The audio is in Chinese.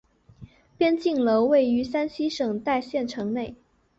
边靖楼位于山西省代县城内。